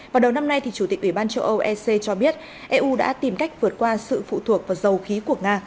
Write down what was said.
vào đầu năm nay chủ tịch ủy ban châu âu ec cho biết eu đã tìm cách vượt qua sự phụ thuộc vào dầu khí của nga